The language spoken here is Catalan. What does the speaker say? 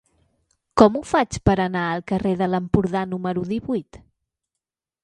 Com ho faig per anar al carrer de l'Empordà número divuit?